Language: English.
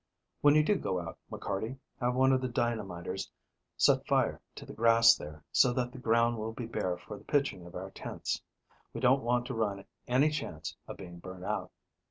When you go out, McCarty, have one of the dynamiters set fire to the grass there, so that the ground will be bare for the pitching of our tents. We don't want to run any chance of being burnt out."